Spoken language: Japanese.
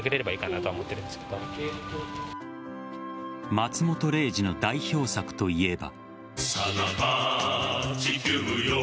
松本零士の代表作といえば。